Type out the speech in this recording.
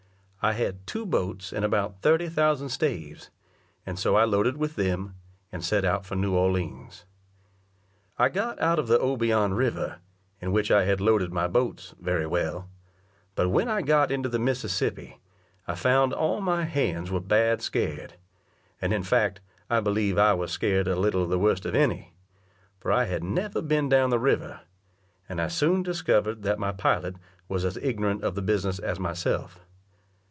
I had two boats and about thirty thousand staves, and so I loaded with them, and set out for New Orleans. I got out of the Obion river, in which I had loaded my boats, very well; but when I got into the Mississippi, I found all my hands were bad scared, and in fact I believe I was scared a little the worst of any; for I had never been down the river, and I soon discovered that my pilot was as ignorant of the business as myself.